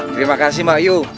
terima kasih mbak yu